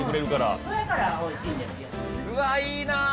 うわいいな。